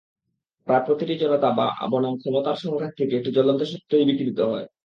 প্রায় প্রতিটি জনতা বনাম ক্ষমতার সংঘাত থেকে একটি জ্বলন্ত সত্যই বিকিরিত হয়।